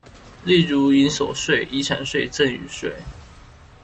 例如營所稅、遺產稅、贈與稅